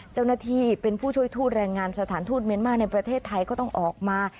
เจ้าหน้าที่เป็นผู้ช่วยทูตแรงงานสถานทูตเมียนมาร์ในประเทศไทยก็ต้องออกมา